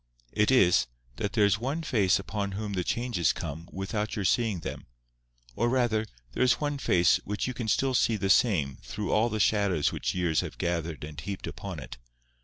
It is, that there is one face upon which the changes come without your seeing them; or rather, there is one face which you can still see the same through all the shadows which years have gathered and heaped upon it.